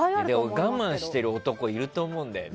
我慢してる男いると思うんだよね。